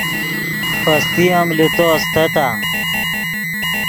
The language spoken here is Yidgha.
پیستے ام لے تو استتآ